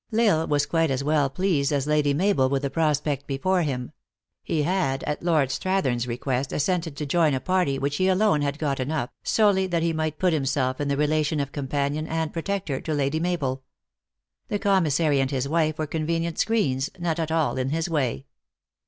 L Isle was quite as well pleased as Lady Mabel with the prospect before him. He had, at Lord Strathern s request, assented to join a party, which he alone had gotten up, solely that he might put himself in the re lation of companion and protector to Lady Mabel. The commissary and his wife were convenient screens, not at all in his way.